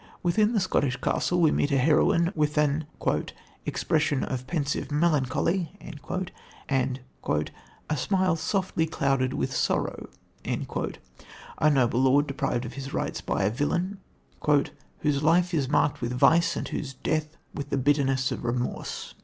Within the Scottish castle we meet a heroine with an "expression of pensive melancholy" and a "smile softly clouded with sorrow," a noble lord deprived of his rights by a villain "whose life is marked with vice and whose death with the bitterness of remorse."